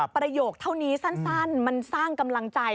ประโยคเท่านี้สั้นมันสร้างกำลังใจ